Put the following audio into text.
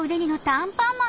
アンパンマン！